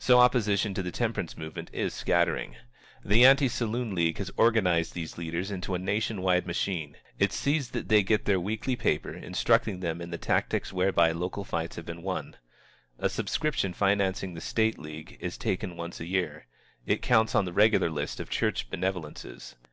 So opposition to the temperance movement is scattering. The Anti Saloon League has organized these leaders into a nation wide machine. It sees that they get their weekly paper, instructing them in the tactics whereby local fights have been won. A subscription financing the State League is taken once a year. It counts on the regular list of church benevolences.